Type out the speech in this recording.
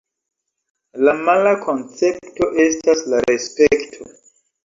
La mala koncepto estas la respekto.